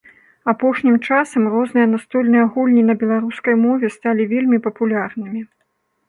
Апошнім часам розныя настольныя гульні на беларускай мове сталі вельмі папулярнымі.